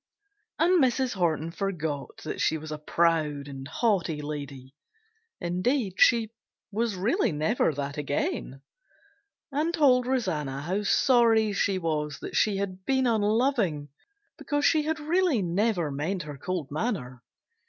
And Mrs. Horton forgot that she was a proud and haughty lady (indeed she was really never that again) and told Rosanna how sorry she was that she had been unloving because she had really never meant her cold manner.